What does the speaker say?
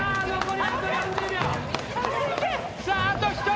さああと１人。